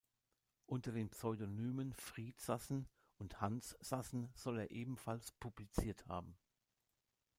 Unter den Pseudonymen Fried Sassen und Hans Sassen soll er ebenfalls publiziert haben.